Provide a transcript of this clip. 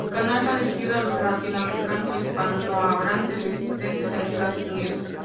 El canal está dirigido a los latinoamericanos e hispanohablantes residentes en Estados Unidos.